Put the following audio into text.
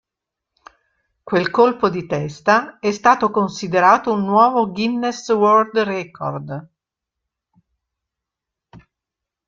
Quel colpo di testa è stato considerato un nuovo Guinness World Record.